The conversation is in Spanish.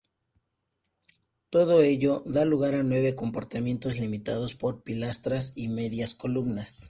Todo ello da lugar a nueve compartimentos limitados por pilastras y medias columnas.